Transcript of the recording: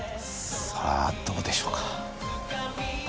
さあどうでしょうか？